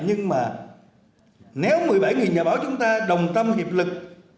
nhưng mà nếu một mươi bảy nhà báo chúng ta đồng tâm hiệp lực